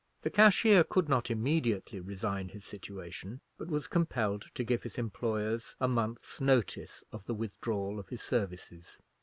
The cashier could not immediately resign his situation, but was compelled to give his employers a month's notice of the withdrawal of his services.